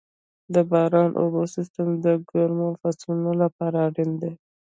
د باراني اوبو سیستم د کومو فصلونو لپاره دی؟